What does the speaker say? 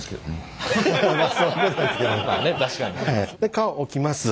皮を置きます。